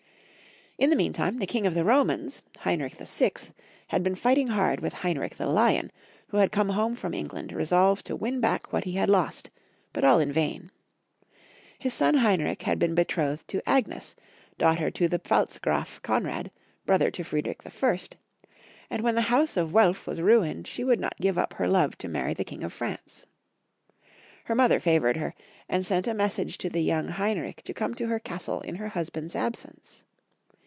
In the meantime, the King of the Romans, Heinrich VI., had been fighting hard with Heinrich the Lion, who had come home from England resolved to win back what he had lost, but all in vain. His son Heinrich had been betrothed to Agnes, daughter to the Pfalz graf Konrad, brother to Friedrich I., and when the house of Welf was ruined, she would not give up her love to marry the King of France. Her mother favored her, and sent a message to the young Hein rich to come to her castle in her husband's absence.